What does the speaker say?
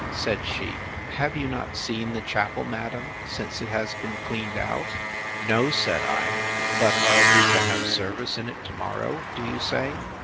Said she, Have you not seen the chapel, madam, since it has been cleaned out? No, said I; but are we to have service in it to morrow, do you say?